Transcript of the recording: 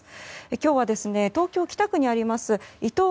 今日は、東京・北区にありますいとう